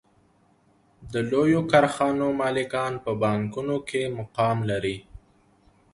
د لویو کارخانو مالکان په بانکونو کې مقام لري